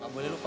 gak boleh lupa